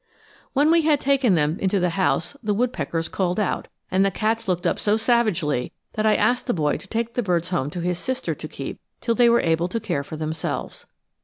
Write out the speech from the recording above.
When we had taken them into the house the woodpeckers called out, and the cats looked up so savagely that I asked the boy to take the birds home to his sister to keep till they were able to care for themselves.